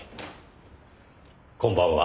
こんばんは。